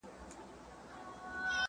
د برزخي ماحول واټن ته فکر وړی يمه